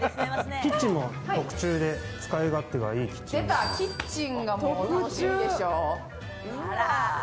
キッチンも特注で使い勝手が良いキッチン。